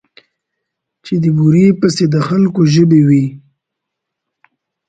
چې د بورې پسې د خلکو ژبې وې.